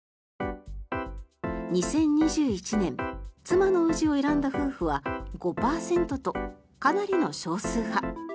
２０２１年妻の氏を選んだ夫婦は５％とかなりの少数派。